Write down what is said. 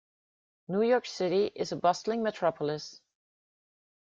New York City is a bustling metropolis.